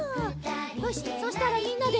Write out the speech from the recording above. よしそしたらみんなで。